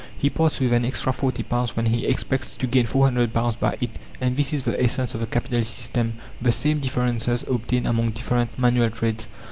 He parts with an extra £40 when he expects to gain £400 by it; and this is the essence of the Capitalist system. The same differences obtain among different manual trades.